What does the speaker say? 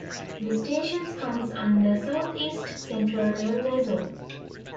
The stations comes under South East Central Railway Zone.